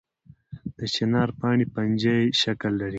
د چنار پاڼې پنجه یي شکل لري